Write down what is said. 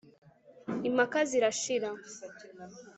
Impaka zirashira.